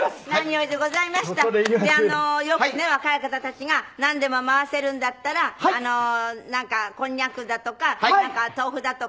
よくね若い方たちがなんでも回せるんだったらなんかコンニャクだとか豆腐だとか。